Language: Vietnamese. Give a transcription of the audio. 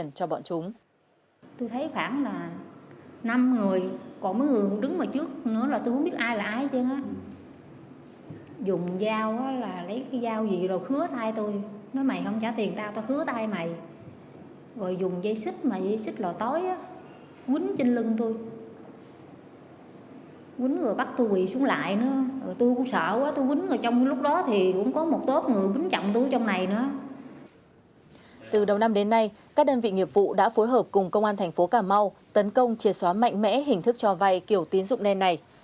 năm đến nay các đơn vị nghiệp vụ đã phối hợp cùng công an thành phố cà mau tấn công chìa xóa mạnh mẽ hình thức cho vay kiểu tín dụng nền này